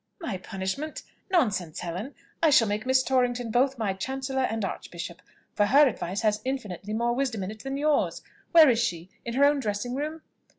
"My punishment! Nonsense, Helen! I shall make Miss Torrington both my Chancellor and Archbishop, for her advice has infinitely more wisdom in it than yours. Where is she? in her own dressing room?"